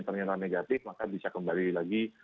ternyata negatif maka bisa kembali lagi